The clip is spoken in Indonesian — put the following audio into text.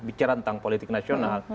bicara tentang politik nasional